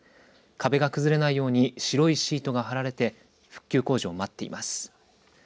壁が崩れないように、白いシートが張られて、復旧工事を待っています。